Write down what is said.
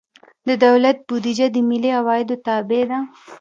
د دولت بودیجه د ملي عوایدو تابع ده.